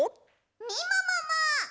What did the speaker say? みももも。